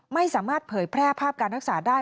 ไม่สามารถเผยแพร่ภาพการรักษาได้